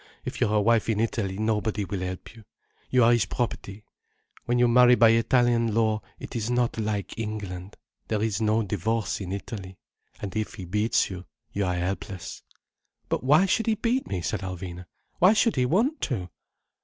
If you are a wife in Italy, nobody will help you. You are his property, when you marry by Italian law. It is not like England. There is no divorce in Italy. And if he beats you, you are helpless—" "But why should he beat me?" said Alvina. "Why should he want to?"